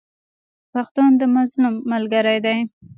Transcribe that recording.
پښتون د مظلوم ملګری دی.